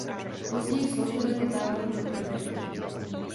Později sloužil jako tábor pro uprchlíky.